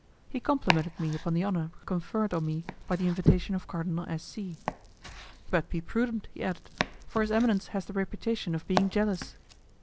He complimented me upon the honour conferred on me by the invitation of Cardinal S. C. "But be prudent," he added, "for his eminence has the reputation of being jealous."